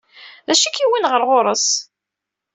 D acu i k-yewwin ɣer ɣur-s?